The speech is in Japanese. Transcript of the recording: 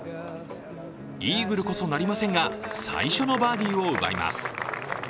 イーグルこそなりませんが、最初のバーディーを奪います。